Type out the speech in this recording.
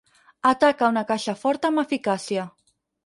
Ataca una caixa forta amb eficàcia.